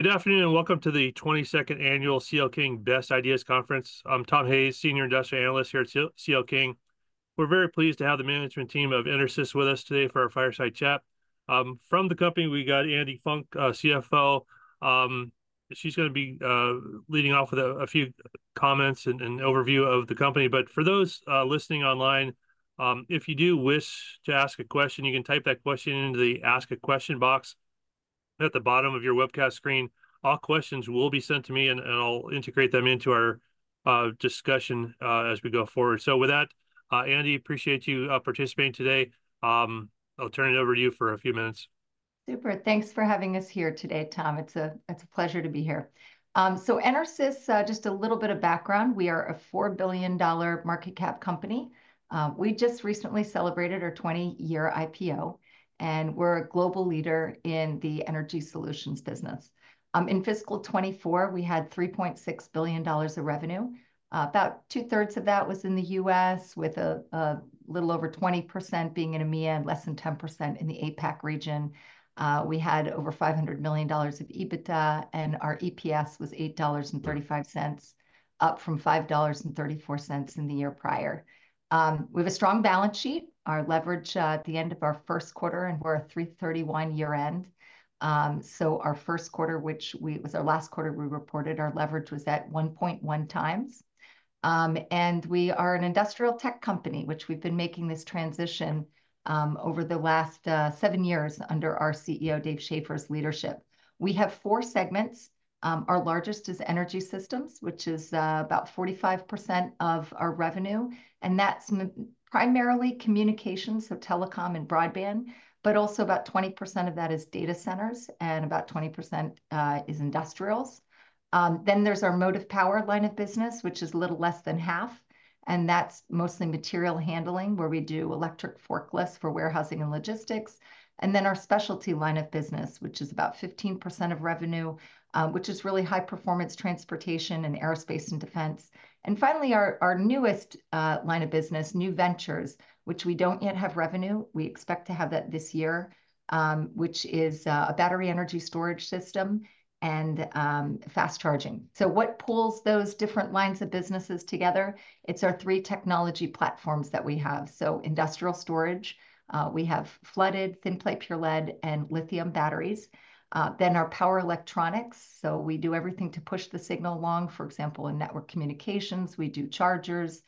Good afternoon, and welcome to the 22nd Annual CL King Best Ideas Conference. I'm Tom Hayes, Senior Industrial Analyst here at CL King. We're very pleased to have the management team of EnerSys with us today for our fireside chat. From the company, we've got Andrea Funk, CFO. She's gonna be leading off with a few comments and overview of the company. But for those listening online, if you do wish to ask a question, you can type that question into the Ask a Question box at the bottom of your webcast screen. All questions will be sent to me, and I'll integrate them into our discussion as we go forward. So with that, Andi, appreciate you participating today. I'll turn it over to you for a few minutes. Super. Thanks for having us here today, Tom. It's a pleasure to be here. So EnerSys, just a little bit of background, we are a $4 billion market cap company. We just recently celebrated our 20-year IPO, and we're a global leader in the energy solutions business. In fiscal 2024, we had $3.6 billion of revenue. About two-thirds of that was in the U.S., with a little over 20% being in EMEA and less than 10% in the APAC region. We had over $500 million of EBITDA, and our EPS was $8.35, up from $5.34 in the year prior. We have a strong balance sheet. Our leverage at the end of our first quarter, and we're a June 30 year-end. So our first quarter, which it was our last quarter we reported, our leverage was at 1.1 times. And we are an industrial tech company, which we've been making this transition over the last seven years under our CEO, Dave Shaffer's, leadership. We have four segments. Our largest is Energy Systems, which is about 45% of our revenue, and that's primarily communications, so telecom and broadband, but also about 20% of that is data centers and about 20% is industrials. Then there's our Motive Power line of business, which is a little less than half, and that's mostly material handling, where we do electric forklifts for warehousing and logistics. And then our Specialty line of business, which is about 15% of revenue, which is really high-performance transportation and aerospace and defense. And finally, our newest line of business, New Ventures, which we don't yet have revenue, we expect to have that this year, which is a battery energy storage system and fast charging. So what pulls those different lines of businesses together? It's our three technology platforms that we have. So industrial storage, we have flooded, Thin Plate Pure Lead, and lithium batteries. Then our power electronics, so we do everything to push the signal along, for example, in network communications. We do chargers,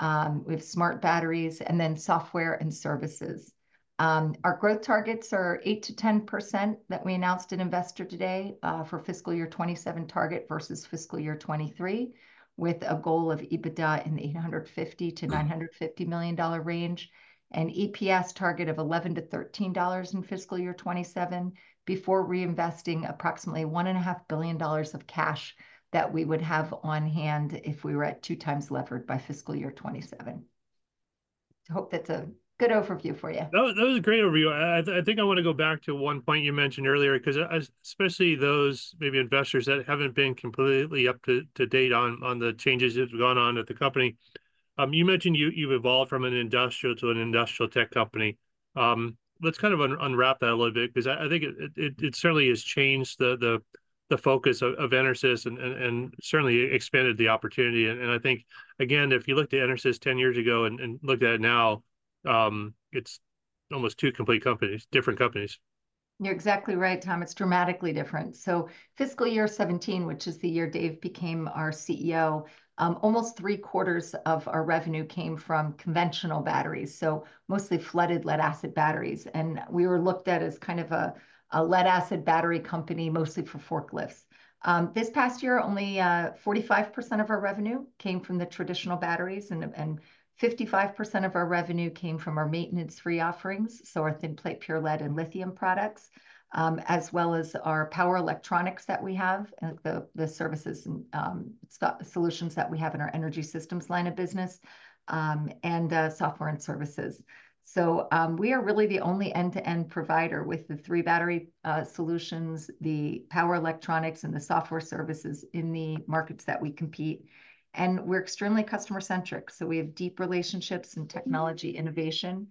we have smart batteries, and then software and services. Our growth targets are 8%-10% that we announced in Investor Day, for fiscal year 2027 target versus fiscal year 2023, with a goal of EBITDA in the $850-$950 million range, and EPS target of $11-$13 in fiscal year 2027, before reinvesting approximately $1.5 billion of cash that we would have on hand if we were at two times levered by fiscal year 2027. I hope that's a good overview for you. That was a great overview. I think I wanna go back to one point you mentioned earlier, 'cause especially those maybe investors that haven't been completely up to date on the changes that have gone on at the company. You mentioned you've evolved from an industrial to an industrial tech company. Let's kind of unwrap that a little bit, 'cause I think it certainly has changed the focus of EnerSys and certainly expanded the opportunity. I think, again, if you looked at EnerSys 10 years ago and looked at it now, it's almost two complete companies, different companies. You're exactly right, Tom. It's dramatically different. So fiscal year 2017, which is the year Dave became our CEO, almost three-quarters of our revenue came from conventional batteries, so mostly flooded lead-acid batteries, and we were looked at as kind of a lead-acid battery company, mostly for forklifts. This past year, only 45% of our revenue came from the traditional batteries, and 55% of our revenue came from our maintenance-free offerings, so our thin-plate pure lead and lithium products, as well as our power electronics that we have, and the services and solutions that we have in our Energy Systems line of business, and software and services. So we are really the only end-to-end provider with the three battery solutions, the power electronics, and the software services in the markets that we compete. And we're extremely customer-centric, so we have deep relationships and technology innovation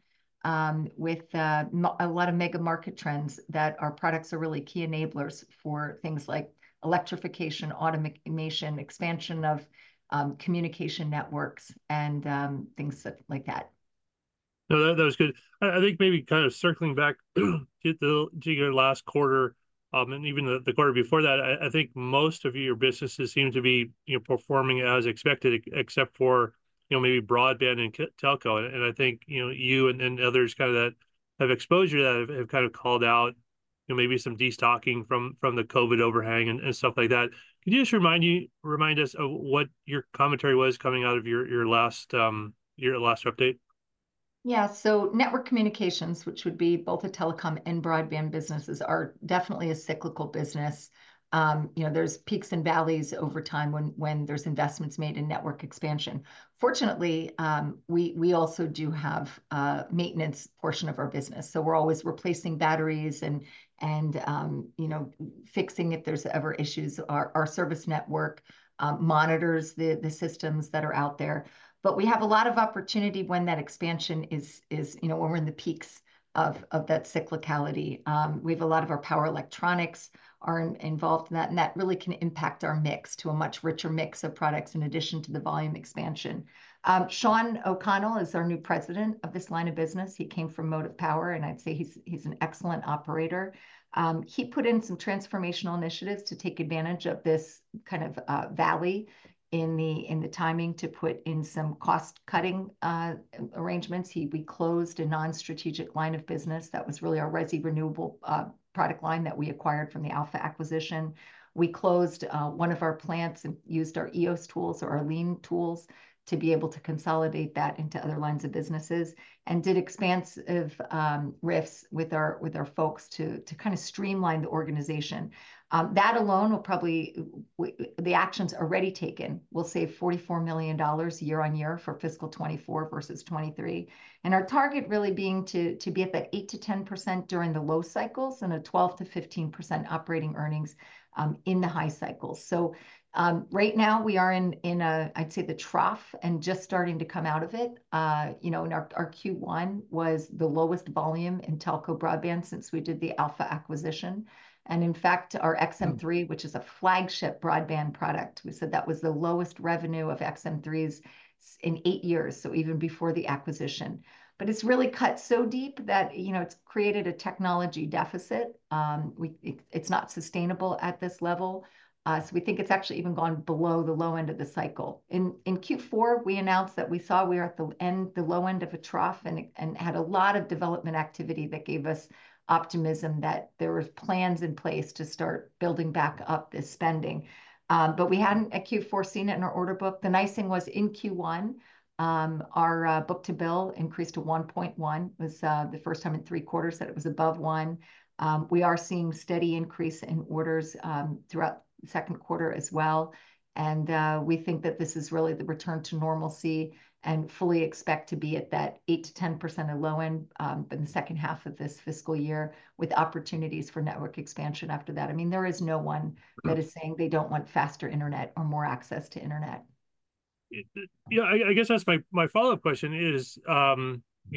with a lot of mega market trends that our products are really key enablers for things like electrification, automation, expansion of communication networks, and things like that. No, that was good. I think maybe kind of circling back to your last quarter, and even the quarter before that, I think most of your businesses seem to be, you know, performing as expected, except for, you know, maybe broadband and telco. And I think, you know, you and others kind of that have exposure to that have kind of called out, you know, maybe some destocking from the COVID overhang and stuff like that. Could you just remind me, remind us of what your commentary was coming out of your last update?... Yeah, so network communications, which would be both the telecom and broadband businesses, are definitely a cyclical business. You know, there's peaks and valleys over time when there's investments made in network expansion. Fortunately, we also do have a maintenance portion of our business, so we're always replacing batteries and, you know, fixing if there's ever issues. Our service network monitors the systems that are out there. But we have a lot of opportunity when that expansion is, you know, when we're in the peaks of that cyclicality. We have a lot of our power electronics are involved in that, and that really can impact our mix to a much richer mix of products in addition to the volume expansion. Shawn O'Connell is our new president of this line of business. He came from Motive Power, and I'd say he's an excellent operator. He put in some transformational initiatives to take advantage of this kind of valley in the timing to put in some cost-cutting arrangements. We closed a non-strategic line of business that was really our residential renewable product line that we acquired from the Alpha acquisition. We closed one of our plants and used our EOS tools or our lean tools to be able to consolidate that into other lines of businesses, and did expansive RIFs with our folks to kind of streamline the organization. That alone will probably... the actions already taken will save $44 million year on year for fiscal 2024 versus 2023. Our target really being to be at that 8%-10% during the low cycles, and a 12%-15% operating earnings in the high cycles. Right now we are in a. I'd say, the trough, and just starting to come out of it. You know, and our Q1 was the lowest volume in telco broadband since we did the Alpha acquisition. And in fact, our XM3, which is a flagship broadband product, we said that was the lowest revenue of XM3s in eight years, so even before the acquisition. But it's really cut so deep that, you know, it's created a technology deficit. It, it's not sustainable at this level. So we think it's actually even gone below the low end of the cycle. In Q4, we announced that we thought we were at the low end of a trough, and had a lot of development activity that gave us optimism that there was plans in place to start building back up the spending. But we hadn't, at Q4, seen it in our order book. The nice thing was, in Q1, our book-to-bill increased to 1.1. It was the first time in three quarters that it was above one. We are seeing steady increase in orders throughout the second quarter as well, and we think that this is really the return to normalcy, and fully expect to be at that 8%-10% low end in the second half of this fiscal year, with opportunities for network expansion after that. I mean, there is no one- Right... that is saying they don't want faster internet or more access to internet. Yeah, I guess that's my follow-up question, is, you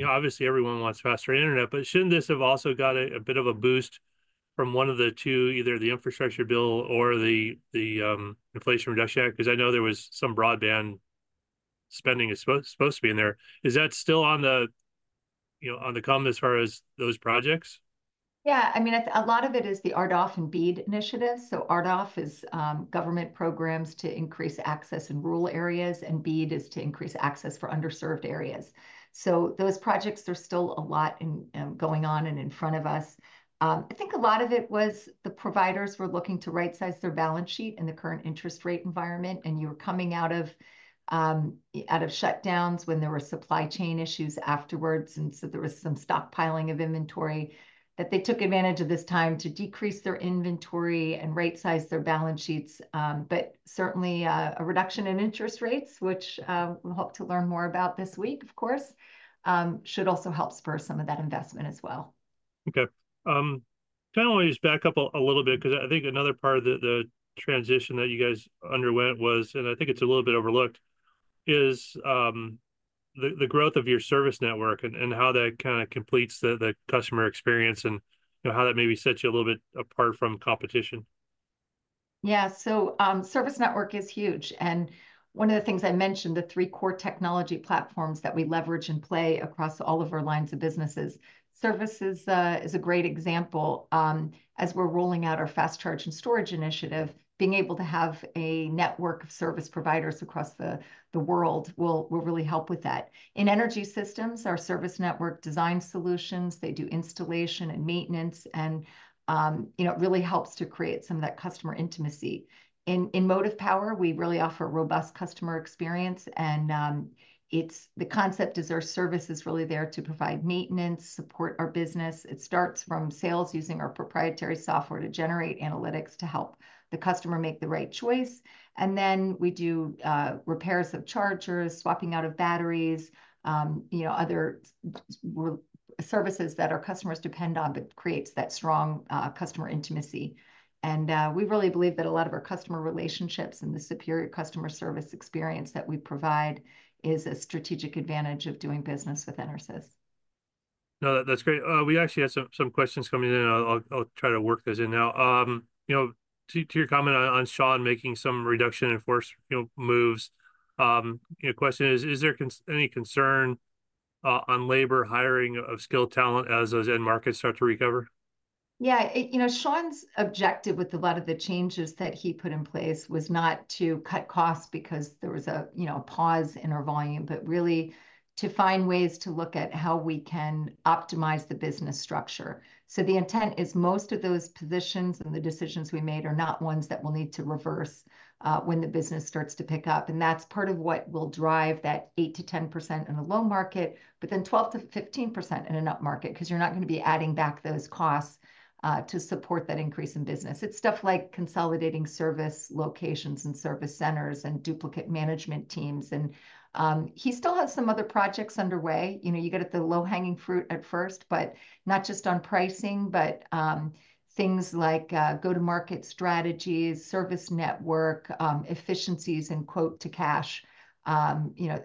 know, obviously everyone wants faster internet, but shouldn't this have also got a bit of a boost from one of the two, either the infrastructure bill or the Inflation Reduction Act? 'Cause I know there was some broadband spending supposed to be in there. Is that still on the, you know, on the come as far as those projects? Yeah, I mean, a lot of it is the RDOF and BEAD initiatives. So RDOF is government programs to increase access in rural areas, and BEAD is to increase access for underserved areas. So those projects, there's still a lot going on and in front of us. I think a lot of it was the providers were looking to rightsize their balance sheet in the current interest rate environment, and you were coming out of shutdowns when there were supply chain issues afterwards, and so there was some stockpiling of inventory. That they took advantage of this time to decrease their inventory and rightsize their balance sheets. But certainly, a reduction in interest rates, which we hope to learn more about this week, of course, should also help spur some of that investment as well. Okay. Kind of want to just back up a little bit, 'cause I think another part of the transition that you guys underwent was, and I think it's a little bit overlooked, is the growth of your service network and how that kind of completes the customer experience, and, you know, how that maybe sets you a little bit apart from competition. Yeah, so service network is huge, and one of the things I mentioned, the three core technology platforms that we leverage and play across all of our lines of businesses. Services is a great example. As we're rolling out our Fast Charge and Storage initiative, being able to have a network of service providers across the world will really help with that. In Energy Systems, our service network design solutions, they do installation and maintenance, and you know, it really helps to create some of that customer intimacy. In Motive Power, we really offer a robust customer experience, and it's the concept is our service is really there to provide maintenance, support our business. It starts from sales, using our proprietary software to generate analytics to help the customer make the right choice, and then we do repairs of chargers, swapping out of batteries, you know, other services that our customers depend on that creates that strong customer intimacy. We really believe that a lot of our customer relationships and the superior customer service experience that we provide is a strategic advantage of doing business with EnerSys. No, that, that's great. We actually had some questions coming in, and I'll try to work those in now. You know, to your comment on Shawn making some reduction in force, you know, moves, you know, question is: Is there any concern on labor hiring of skilled talent as those end markets start to recover?... Yeah, it, you know, Shawn's objective with a lot of the changes that he put in place was not to cut costs because there was a, you know, a pause in our volume, but really to find ways to look at how we can optimize the business structure, so the intent is most of those positions and the decisions we made are not ones that we'll need to reverse, when the business starts to pick up, and that's part of what will drive that 8%-10% in a low market, but then 12%-15% in an up market, 'cause you're not gonna be adding back those costs, to support that increase in business. It's stuff like consolidating service locations and service centers, and duplicate management teams, and he still has some other projects underway. You know, you get at the low-hanging fruit at first, but not just on pricing, but things like go-to-market strategies, service network, efficiencies, and quote to cash, you know,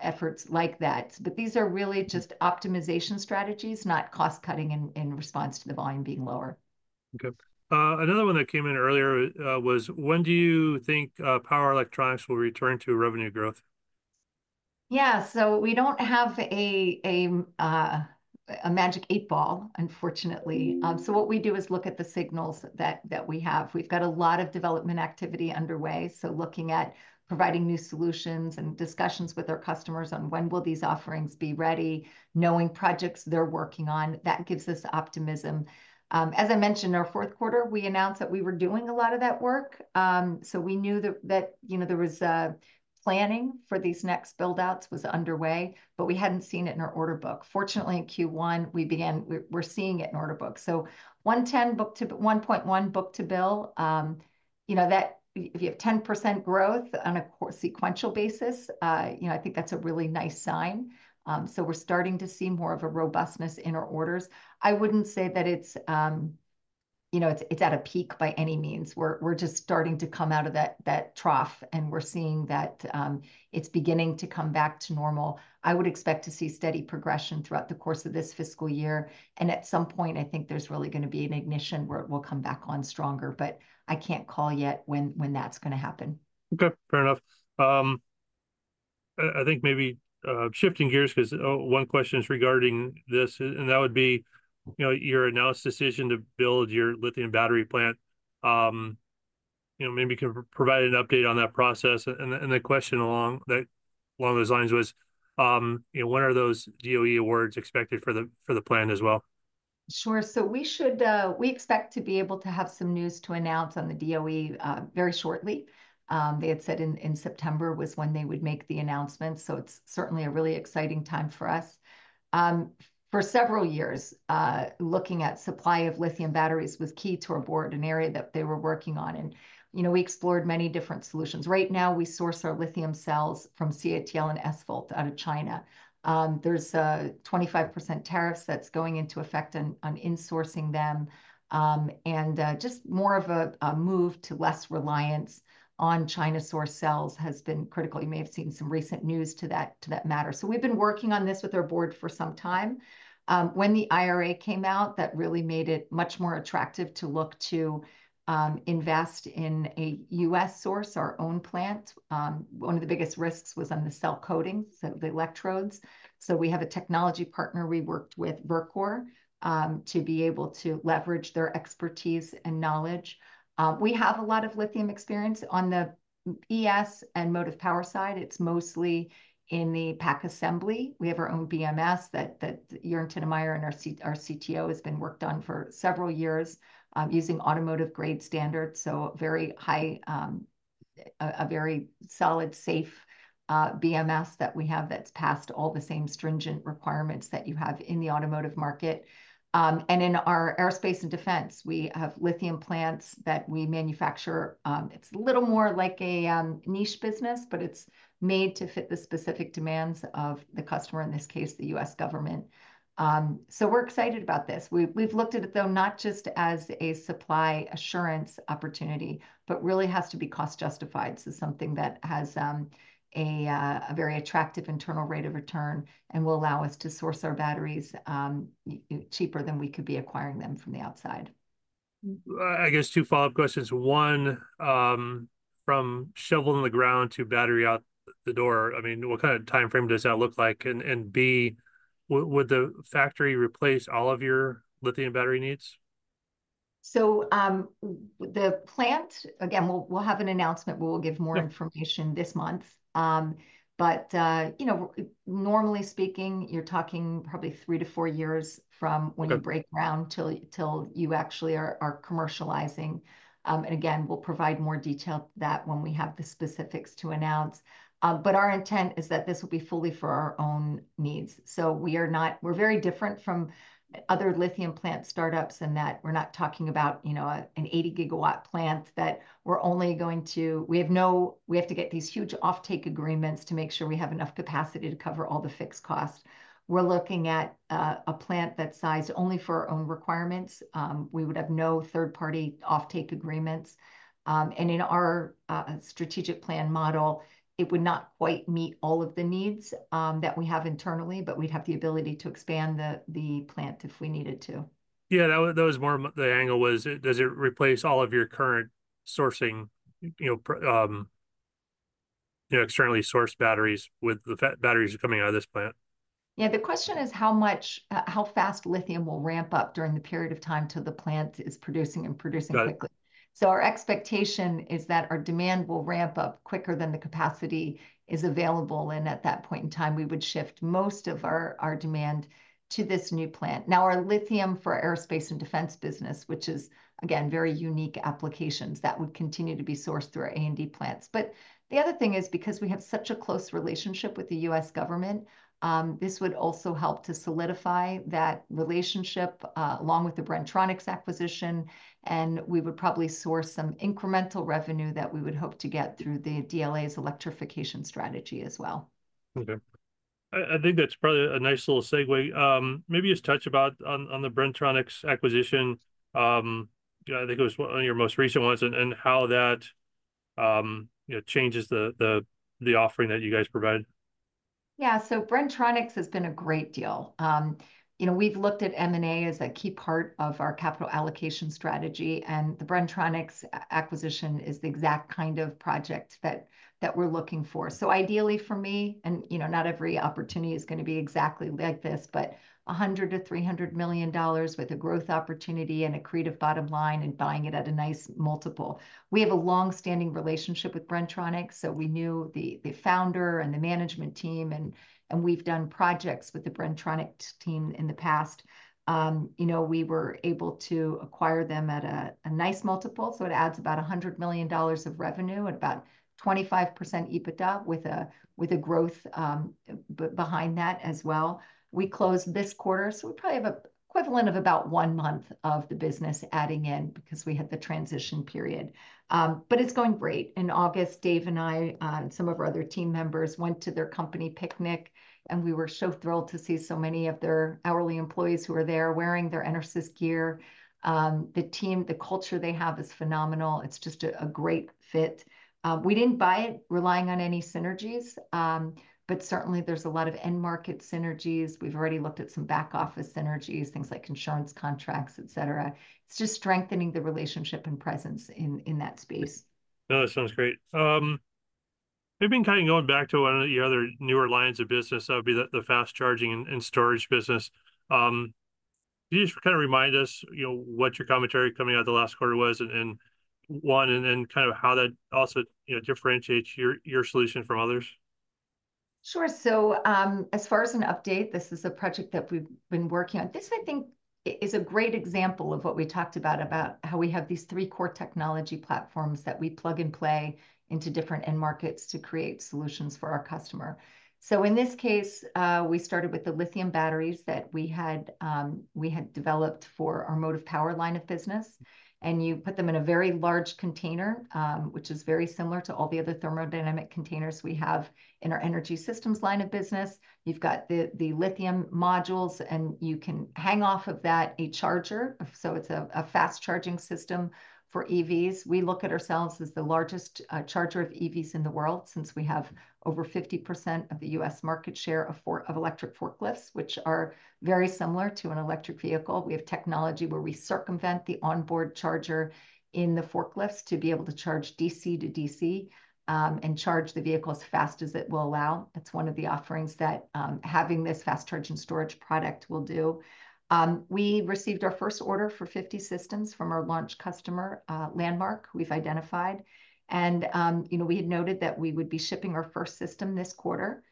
efforts like that. But these are really just optimization strategies, not cost-cutting in response to the volume being lower. Okay. Another one that came in earlier was: When do you think power electronics will return to revenue growth? Yeah, so we don't have a Magic eight Ball, unfortunately. So what we do is look at the signals that we have. We've got a lot of development activity underway, so looking at providing new solutions and discussions with our customers on when will these offerings be ready, knowing projects they're working on, that gives us optimism. As I mentioned, our fourth quarter, we announced that we were doing a lot of that work. So we knew that, you know, there was a planning for these next build-outs was underway, but we hadn't seen it in our order book. Fortunately, in Q1, we began. We're seeing it in order book. So 110 book to... 1.1 book-to-bill, you know, that if you have 10% growth on a quarter-sequential basis, you know, I think that's a really nice sign. So we're starting to see more of a robustness in our orders. I wouldn't say that it's, you know, it's at a peak by any means. We're just starting to come out of that trough, and we're seeing that it's beginning to come back to normal. I would expect to see steady progression throughout the course of this fiscal year, and at some point, I think there's really gonna be an ignition where it will come back on stronger. But I can't call yet when that's gonna happen. Okay, fair enough. I think maybe shifting gears, 'cause one question is regarding this, and that would be, you know, your announced decision to build your lithium battery plant. You know, maybe you can provide an update on that process, and the question along those lines was, you know, when are those DOE awards expected for the plan as well? Sure. So we should, we expect to be able to have some news to announce on the DOE very shortly. They had said in September was when they would make the announcement, so it's certainly a really exciting time for us. For several years, looking at supply of lithium batteries was key to our board, an area that they were working on, and, you know, we explored many different solutions. Right now, we source our lithium cells from CATL and SVOLT out of China. There's 25% tariffs that's going into effect on importing them, and just more of a move to less reliance on China-sourced cells has been critical. You may have seen some recent news to that matter. So we've been working on this with our board for some time. When the IRA came out, that really made it much more attractive to look to invest in a U.S. source, our own plant. One of the biggest risks was on the cell coating, so the electrodes. So we have a technology partner we worked with, Verkor, to be able to leverage their expertise and knowledge. We have a lot of lithium experience. On the ES and Motive Power side, it's mostly in the pack assembly. We have our own BMS that Joern Tinnemeyer and our CTO has been worked on for several years, using automotive-grade standards, so very high, a very solid, safe BMS that we have that's passed all the same stringent requirements that you have in the automotive market, and in our aerospace and defense, we have lithium plants that we manufacture. It's a little more like a niche business, but it's made to fit the specific demands of the customer, in this case, the U.S. government. So we're excited about this. We've looked at it, though, not just as a supply assurance opportunity, but really has to be cost-justified, so something that has a very attractive internal rate of return and will allow us to source our batteries cheaper than we could be acquiring them from the outside. I guess two follow-up questions. One, from shovel in the ground to battery out the door, I mean, what kind of timeframe does that look like? And, and, B, would the factory replace all of your lithium battery needs? The plant, again, we'll have an announcement where we'll give more- Yeah... information this month. But, you know, normally speaking, you're talking probably three to four years from- Okay... when you break ground till you actually are commercializing. Again, we'll provide more detail to that when we have the specifics to announce. But our intent is that this will be fully for our own needs. So we are not-- We're very different from other lithium plant startups in that we're not talking about, you know, a, an 80-gigawatt plant, that we're only going to... We have no-- We have to get these huge offtake agreements to make sure we have enough capacity to cover all the fixed costs. We're looking at, a plant that's sized only for our own requirements. We would have no third-party offtake agreements. And in our strategic plan model, it would not quite meet all of the needs that we have internally, but we'd have the ability to expand the plant if we needed to. Yeah, that was, that was more... The angle was, does it replace all of your current sourcing, you know, externally sourced batteries with the batteries coming out of this plant? Yeah, the question is how much, how fast lithium will ramp up during the period of time till the plant is producing and producing quickly. Got it. So our expectation is that our demand will ramp up quicker than the capacity is available, and at that point in time, we would shift most of our demand to this new plant. Now, our lithium for aerospace and defense business, which is, again, very unique applications, that would continue to be sourced through our A&D plants. But the other thing is, because we have such a close relationship with the U.S. government, this would also help to solidify that relationship, along with the Bren-Tronics acquisition, and we would probably source some incremental revenue that we would hope to get through the DLA's electrification strategy as well. Okay. I think that's probably a nice little segue. Maybe just touch about on the Bren-Tronics acquisition. Yeah, I think it was one of your most recent ones, and how that, you know, changes the offering that you guys provide. Yeah, so Bren-Tronics has been a great deal. You know, we've looked at M&A as a key part of our capital allocation strategy, and the Bren-Tronics acquisition is the exact kind of project that we're looking for. So ideally for me, and, you know, not every opportunity is gonna be exactly like this, but $100-$300 million with a growth opportunity and accretive bottom line, and buying it at a nice multiple. We have a long-standing relationship with Bren-Tronics, so we knew the founder and the management team, and we've done projects with the Bren-Tronics team in the past. You know, we were able to acquire them at a nice multiple, so it adds about $100 million of revenue at about 25% EBITDA, with a growth behind that as well. We closed this quarter, so we probably have an equivalent of about one month of the business adding in, because we had the transition period. But it's going great. In August, Dave and I, some of our other team members, went to their company picnic, and we were so thrilled to see so many of their hourly employees who were there wearing their EnerSys gear. The team, the culture they have is phenomenal. It's just a great fit. We didn't buy it relying on any synergies, but certainly there's a lot of end market synergies. We've already looked at some back office synergies, things like insurance contracts, et cetera. It's just strengthening the relationship and presence in that space. No, that sounds great. Maybe kind of going back to one of your other newer lines of business, that would be the Fast Charge and Storage business. Can you just kind of remind us, you know, what your commentary coming out of the last quarter was, and then kind of how that also, you know, differentiates your solution from others? Sure. So, as far as an update, this is a project that we've been working on. This, I think, is a great example of what we talked about, about how we have these three core technology platforms that we plug and play into different end markets to create solutions for our customer, so in this case, we started with the lithium batteries that we had developed for our Motive Power line of business, and you put them in a very large container, which is very similar to all the other thermodynamic containers we have in our Energy Systems line of business. You've got the lithium modules, and you can hang off of that a charger, so it's a fast charging system for EVs. We look at ourselves as the largest charger of EVs in the world, since we have over 50% of the U.S. market share of electric forklifts, which are very similar to an electric vehicle. We have technology where we circumvent the onboard charger in the forklifts to be able to charge DC to DC, and charge the vehicle as fast as it will allow. That's one of the offerings that having this Fast Charge and Storage product will do. We received our first order for 50 systems from our launch customer, Landmark we've identified. You know, we had noted that we would be shipping our first system this quarter,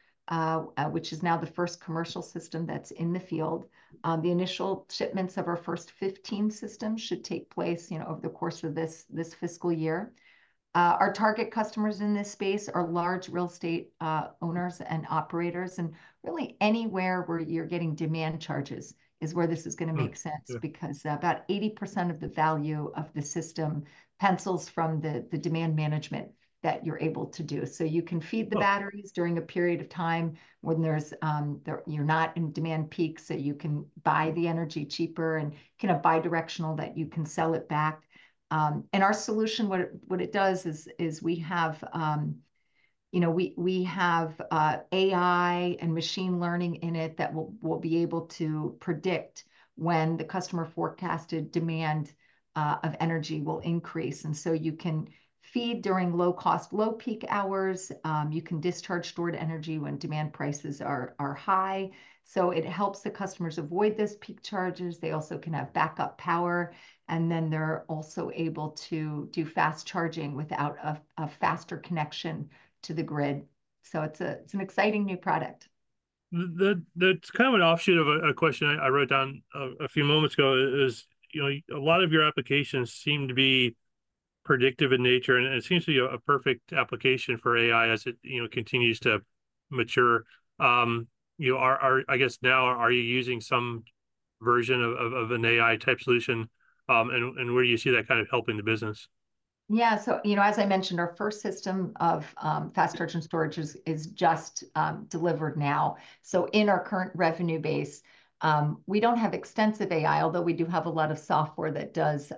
which is now the first commercial system that's in the field. The initial shipments of our first 15 systems should take place, you know, over the course of this fiscal year. Our target customers in this space are large real estate owners and operators, and really anywhere where you're getting demand charges is where this is gonna make sense- Sure... because about 80% of the value of the system pencils out from the demand management that you're able to do. So you can feed the batteries- Sure... during a period of time when there are no demand peaks, so you can buy the energy cheaper, and kind of bi-directional, that you can sell it back. And our solution, what it does is we have, you know, we have AI and machine learning in it that will be able to predict when the customer forecasted demand of energy will increase. And so you can charge during low-cost, low peak hours. You can discharge stored energy when demand prices are high. So it helps the customers avoid those peak charges. They also can have backup power, and then they are also able to do fast charging without a faster connection to the grid. So it is an exciting new product. That, that's kind of an offshoot of a question I wrote down a few moments ago. You know, a lot of your applications seem to be predictive in nature, and it seems to be a perfect application for AI as it, you know, continues to mature. You are, I guess now, are you using some version of an AI-type solution, and where do you see that kind of helping the business? Yeah, so, you know, as I mentioned, our first system of Fast Charge and Storage is just delivered now. So in our current revenue base, we don't have extensive AI, although we do have a lot of software that does,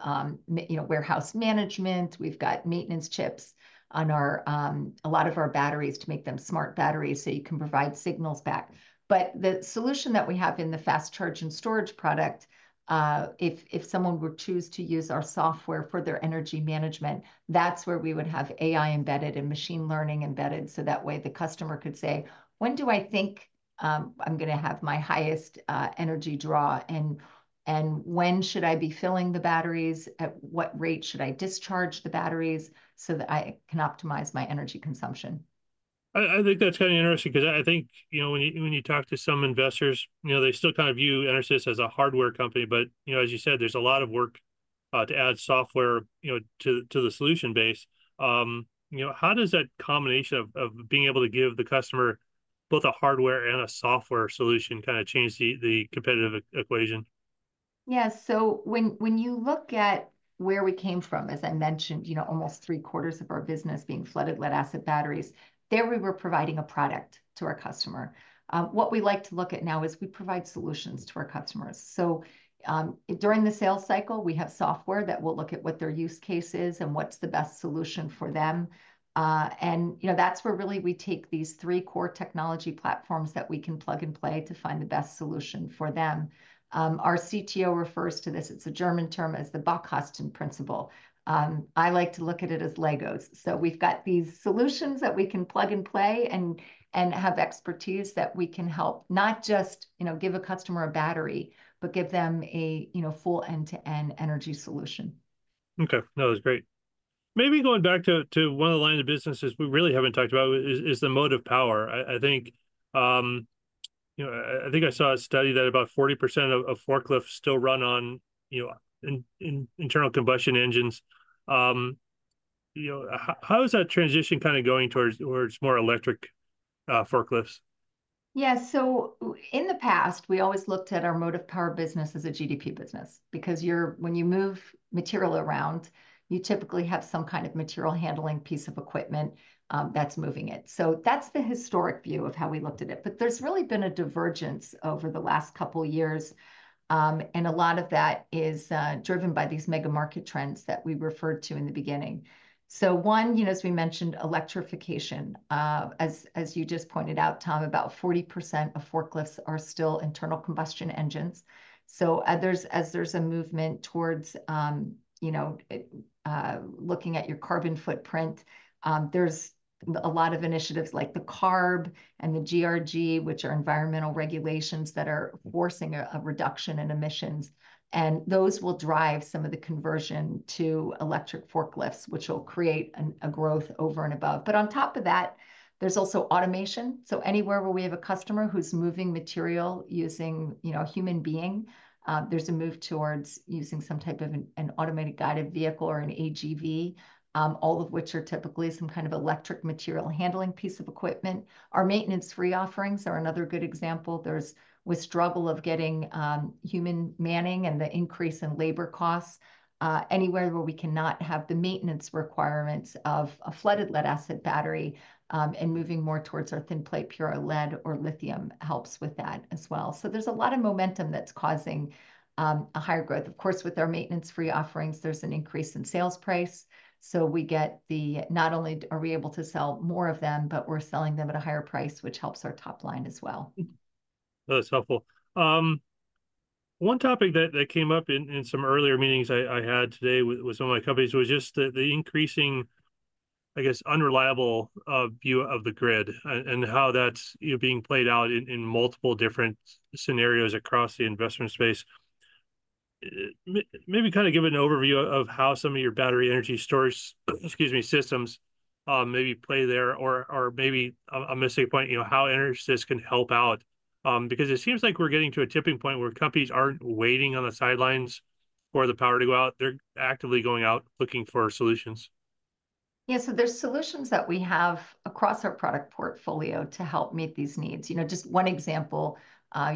you know, warehouse management. We've got maintenance chips on our, a lot of our batteries to make them smart batteries, so you can provide signals back. But the solution that we have in the Fast Charge and Storage product, if someone were to choose to use our software for their energy management, that's where we would have AI embedded and machine learning embedded, so that way the customer could say, "When do I think- I'm gonna have my highest energy draw, and when should I be filling the batteries? At what rate should I discharge the batteries so that I can optimize my energy consumption? I think that's kind of interesting, 'cause I think, you know, when you talk to some investors, you know, they still kind of view EnerSys as a hardware company. But, you know, as you said, there's a lot of work to add software, you know, to the solution base. You know, how does that combination of being able to give the customer both a hardware and a software solution kind of change the competitive equation? Yeah, so when you look at where we came from, as I mentioned, you know, almost three-quarters of our business being flooded lead-acid batteries, there we were providing a product to our customer. What we like to look at now is we provide solutions to our customers. So, during the sales cycle, we have software that will look at what their use case is, and what's the best solution for them. And, you know, that's where really we take these three core technology platforms that we can plug and play to find the best solution for them. Our CTO refers to this, it's a German term, as the Baukasten principle. I like to look at it as Legos. We've got these solutions that we can plug and play, and have expertise that we can help, not just, you know, give a customer a battery, but give them a, you know, full end-to-end energy solution. Okay, no, that's great. Maybe going back to one of the lines of businesses we really haven't talked about is the Motive Power. I think you know, I think I saw a study that about 40% of forklifts still run on you know, in internal combustion engines. You know, how is that transition kind of going towards more electric forklifts? Yeah, so in the past, we always looked at our Motive Power business as a GDP business. Because when you move material around, you typically have some kind of material handling piece of equipment that's moving it. So that's the historic view of how we looked at it. But there's really been a divergence over the last couple of years, and a lot of that is driven by these mega market trends that we referred to in the beginning. So one, you know, as we mentioned, electrification. As you just pointed out, Tom, about 40% of forklifts are still internal combustion engines. So others as there's a movement towards, you know, looking at your carbon footprint, there's a lot of initiatives, like the CARB and the GHG, which are environmental regulations that are forcing a reduction in emissions, and those will drive some of the conversion to electric forklifts, which will create a growth over and above. But on top of that, there's also automation. So anywhere where we have a customer who's moving material using, you know, a human being, there's a move towards using some type of an automated guided vehicle or an AGV, all of which are typically some kind of electric material handling piece of equipment. Our maintenance-free offerings are another good example. There's the struggle of getting human manning and the increase in labor costs. Anywhere where we cannot have the maintenance requirements of a flooded lead-acid battery, and moving more towards our thin plate pure lead or lithium helps with that as well. So there's a lot of momentum that's causing a higher growth. Of course, with our maintenance-free offerings, there's an increase in sales price, so we get the... Not only are we able to sell more of them, but we're selling them at a higher price, which helps our top line as well. That's helpful. One topic that came up in some earlier meetings I had today with some of my companies was just the increasing, I guess, unreliable view of the grid and how that's, you know, being played out in multiple different scenarios across the investment space. Maybe kind of give an overview of how some of your battery energy storage, excuse me, systems maybe play there, or maybe I'm missing a point, you know, how EnerSys can help out. Because it seems like we're getting to a tipping point where companies aren't waiting on the sidelines for the power to go out, they're actively going out, looking for solutions. Yeah, so there's solutions that we have across our product portfolio to help meet these needs. You know, just one example,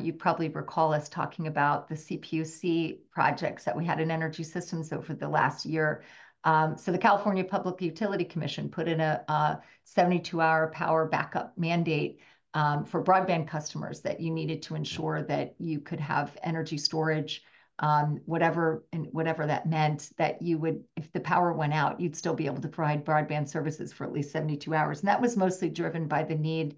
you probably recall us talking about the CPUC projects that we had in Energy Systems over the last year. So the California Public Utilities Commission put in a 72-hour power backup mandate, for broadband customers, that you needed to ensure that you could have energy storage, whatever that meant, that you would... If the power went out, you'd still be able to provide broadband services for at least 72 hours. And that was mostly driven by the need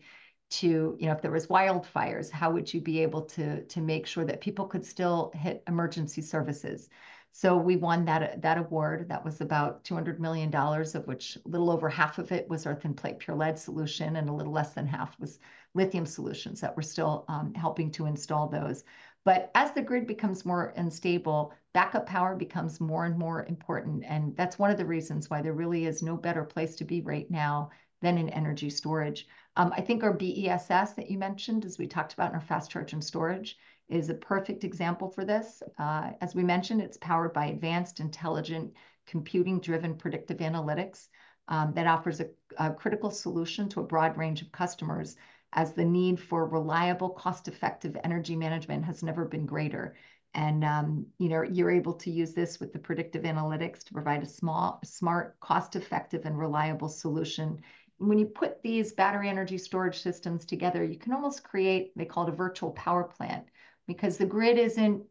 to, you know, if there was wildfires, how would you be able to make sure that people could still hit emergency services? So we won that award. That was about $200 million, of which a little over half of it was our Thin Plate Pure Lead solution, and a little less than half was lithium solutions that we're still helping to install those. But as the grid becomes more unstable, backup power becomes more and more important, and that's one of the reasons why there really is no better place to be right now than in energy storage. I think our BESS that you mentioned, as we talked about, and our Fast Charge and Storage, is a perfect example for this. As we mentioned, it's powered by advanced, intelligent, computing-driven predictive analytics that offers a critical solution to a broad range of customers, as the need for reliable, cost-effective energy management has never been greater. You know, you're able to use this with the predictive analytics to provide a small, smart, cost-effective, and reliable solution. When you put these battery energy storage systems together, you can almost create. They call it a virtual power plant. Because the grid isn't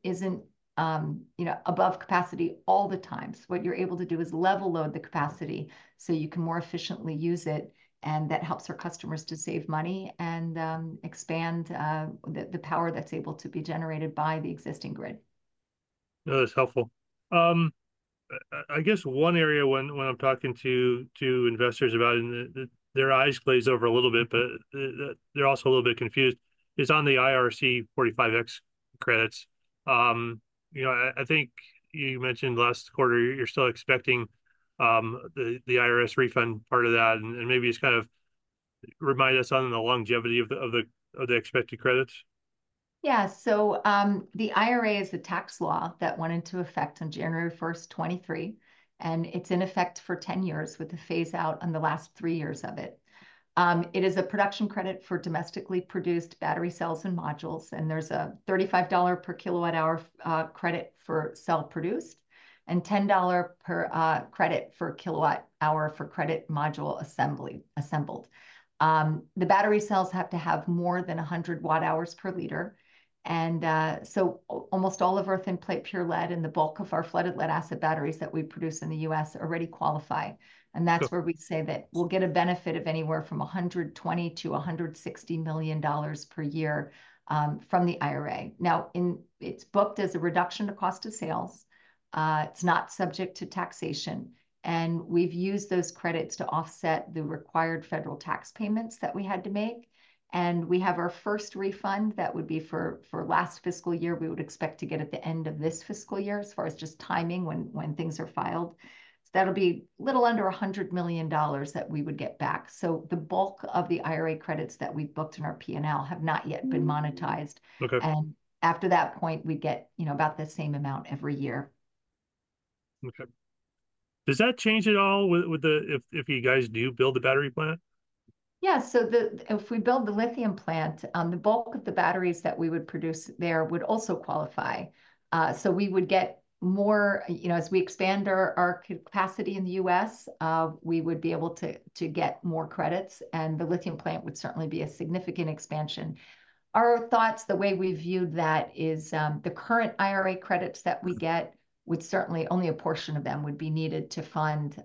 above capacity all the time, so what you're able to do is level-load the capacity, so you can more efficiently use it, and that helps our customers to save money, and expand the power that's able to be generated by the existing grid.... No, that's helpful. I guess one area when I'm talking to investors about it, and they're also a little bit confused, is on the IRC 45X credits. You know, I think you mentioned last quarter, you're still expecting the IRS refund part of that, and maybe just kind of remind us on the longevity of the expected credits. Yeah, so, the IRA is the tax law that went into effect on January 1st, 2023, and it's in effect for 10 years with a phase-out on the last three years of it. It is a production credit for domestically produced battery cells and modules, and there's a $35 per kilowatt hour credit for cell produced, and $10 per kilowatt hour credit for module assembly. The battery cells have to have more than 100 watt hours per liter, and so almost all of our Thin Plate Pure Lead and the bulk of our flooded lead-acid batteries that we produce in the US already qualify. Okay. And that's where we say that we'll get a benefit of anywhere from $120 million-$160 million per year from the IRA. Now, it's booked as a reduction to cost of sales. It's not subject to taxation, and we've used those credits to offset the required federal tax payments that we had to make. And we have our first refund that would be for last fiscal year, we would expect to get at the end of this fiscal year, as far as just timing when things are filed. So that'll be a little under $100 million that we would get back. So the bulk of the IRA credits that we've booked in our P&L have not yet been monetized. Okay. After that point, we'd get, you know, about the same amount every year. Okay. Does that change at all with the... if you guys do build a battery plant? Yeah, so the if we build the lithium plant, the bulk of the batteries that we would produce there would also qualify. So we would get more. You know, as we expand our capacity in the US, we would be able to get more credits, and the lithium plant would certainly be a significant expansion. Our thoughts, the way we viewed that, is the current IRA credits that we get would certainly, only a portion of them would be needed to fund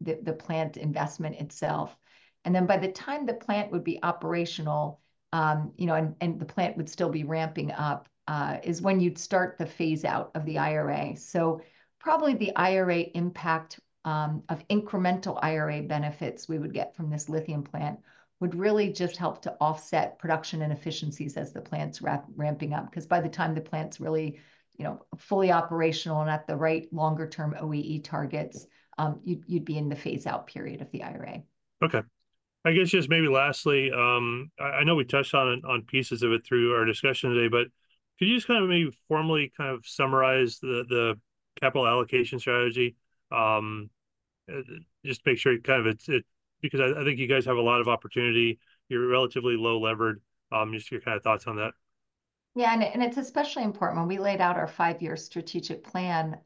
the plant investment itself. And then by the time the plant would be operational, you know, and the plant would still be ramping up is when you'd start the phase-out of the IRA. Probably the IRA impact of incremental IRA benefits we would get from this lithium plant would really just help to offset production and efficiencies as the plant's ramping up. 'Cause by the time the plant's really, you know, fully operational and at the right longer term OEE targets, you'd be in the phase-out period of the IRA. Okay. I guess just maybe lastly, I know we touched on it, on pieces of it through our discussion today, but could you just kind of maybe formally kind of summarize the capital allocation strategy? Just make sure kind of it's because I think you guys have a lot of opportunity. You're relatively low levered. Just your kind of thoughts on that. Yeah, and it's especially important. When we laid out our five-year strategic plan,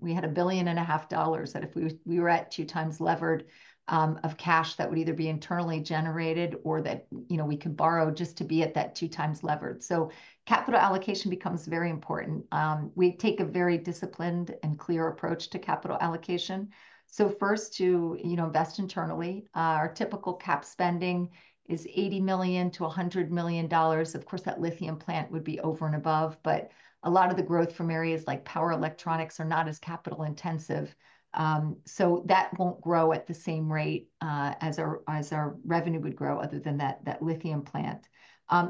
we had $1.5 billion that if we were at two times levered of cash, that would either be internally generated or that, you know, we could borrow just to be at that two times levered. So capital allocation becomes very important. We take a very disciplined and clear approach to capital allocation. So first, to, you know, invest internally, our typical cap spending is $80 million-$100 million. Of course, that lithium plant would be over and above, but a lot of the growth from areas like power electronics are not as capital intensive. So that won't grow at the same rate as our revenue would grow, other than that, that lithium plant.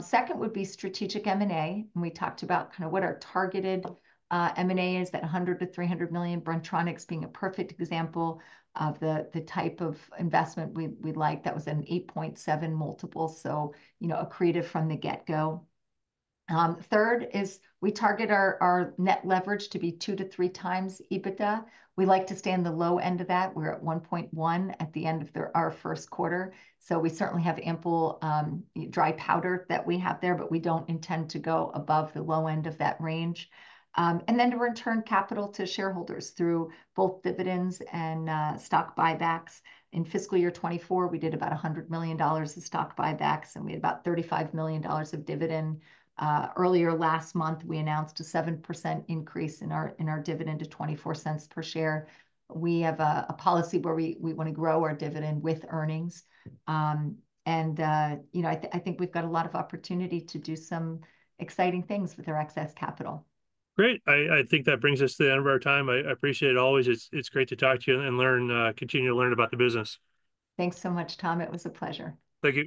Second would be strategic M&A, and we talked about kind of what our targeted M&A is, that $100-$300 million, Bren-Tronics being a perfect example of the type of investment we'd like. That was an 8.7 multiple, so, you know, accretive from the get-go. Third is we target our net leverage to be two to three times EBITDA. We like to stay on the low end of that. We're at 1.1 at the end of our first quarter, so we certainly have ample dry powder that we have there, but we don't intend to go above the low end of that range. And then to return capital to shareholders through both dividends and stock buybacks. In fiscal year 2024, we did about $100 million of stock buybacks, and we had about $35 million of dividend. Earlier last month, we announced a 7% increase in our dividend to $0.24 per share. We have a policy where we wanna grow our dividend with earnings. You know, I think we've got a lot of opportunity to do some exciting things with our excess capital. Great. I think that brings us to the end of our time. I appreciate it always. It's great to talk to you and learn, continue to learn about the business. Thanks so much, Tom. It was a pleasure. Thank you.